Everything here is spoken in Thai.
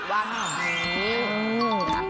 ว้าว